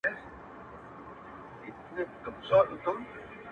اوس و خپلو ته پردی او بېګانه دی,